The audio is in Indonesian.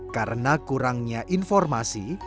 karena kurangnya informasi